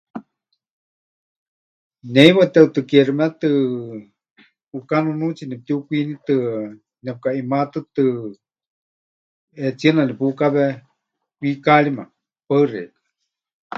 Ne heiwa teʼutɨkieximetɨ ʼuká nunuutsi nepɨtiukwinitɨa, nepɨkaʼimá tɨtɨ, hetsiena nepukáwe kwi, kárima. Paɨ xeikɨ́a.